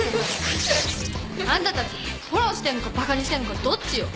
あんたたちフォローしてんのかバカにしてんのかどっちよ。